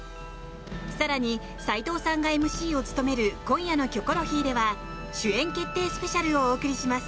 更に齊藤さんがＭＣを務める今夜の「キョコロヒー」では主演決定スペシャルをお送りします。